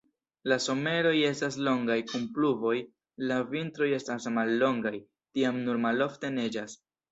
La someroj estas longaj kun pluvoj, la vintroj estas mallongaj, tiam nur malofte neĝas.